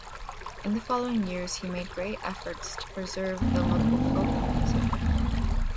In the following years he made great efforts to preserve the local folk music.